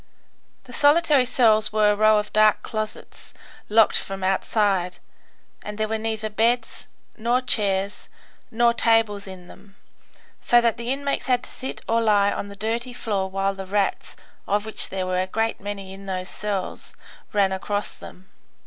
The solitary cells were a row of dark closets, locked from outside, and there were neither beds, nor chairs, nor tables in them, so that the inmates had to sit or lie on the dirty floor, while the rats, of which there were a great many in those cells, ran across them.